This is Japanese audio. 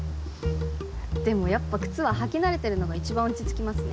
でもやっぱ靴は履き慣れてるのが一番落ち着きますね。